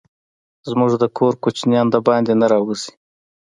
زموږ د کور کوچينان دباندي نه راوزي.